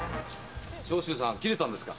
長州さんキレたんですか？